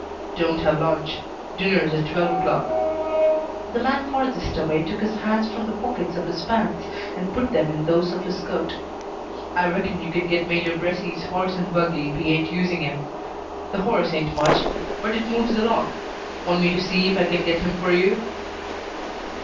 "Don't have lunch. Dinner's at twelve o'clock." The man farthest away took his hands from the pockets of his pants and put them in those of his coat. "I reckon you can get Major Bresee's horse and buggy if he ain't using 'em. The horse ain't much, but it moves along. Want me to see if I can get him for you?"